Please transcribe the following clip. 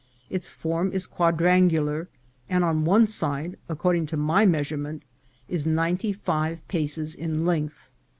Its form is quadrangular, and one side, according to my measurement, is ninety five paces in length.